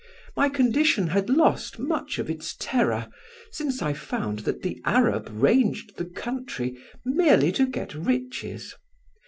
My condition had lost much of its terror, since I found that the Arab ranged the country merely to get riches.